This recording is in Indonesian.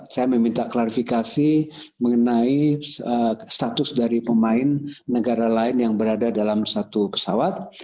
saya meminta klarifikasi mengenai status dari pemain negara lain yang berada dalam satu pesawat